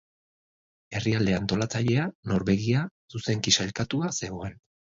Herrialde antolatzailea, Norvegia, zuzenki sailkatua zegoen.